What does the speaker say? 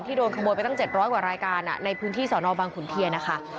โดนขโมยไปตั้ง๗๐๐กว่ารายการในพื้นที่สอนอบังขุนเทียนนะคะ